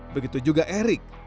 begitu juga erik